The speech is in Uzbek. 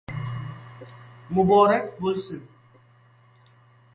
Muborak bo‘lsin!